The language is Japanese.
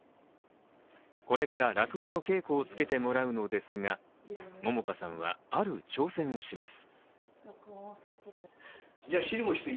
これから落語の稽古をつけてもらうのですが桃花さんはある挑戦をします。